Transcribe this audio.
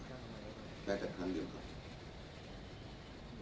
แค่แต่ท่านเดียวครับ